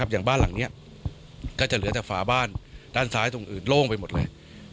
อย่างบ้านหลังนี้ก็จะเหลือแต่ฝาบ้านด้านซ้ายตรงอื่นโล่งไปหมดเลย